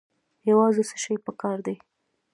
یوازې څه شی پکار دی؟